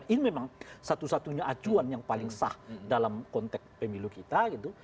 ini memang satu satunya acuan yang paling sah dalam konteks pemilu kita gitu